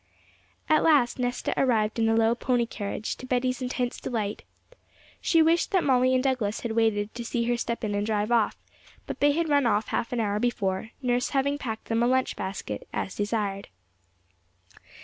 At last Nesta arrived in a low pony carriage, to Betty's intense delight. She wished that Molly and Douglas had waited to see her step in and drive off, but they had run off half an hour before, nurse having packed them a lunch basket, as desired.